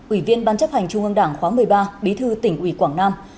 ủy viên ban chấp hành trung ương đảng khóa một mươi ba bí thư tỉnh ủy quảng nam